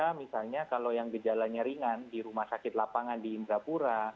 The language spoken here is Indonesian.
misalnya kalau yang gejalanya ringan di rumah sakit lapangan di indrapura